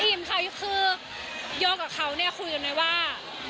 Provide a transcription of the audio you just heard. ค่ะคือโยกับเขาเนี่ยคุยกันไว้ว่า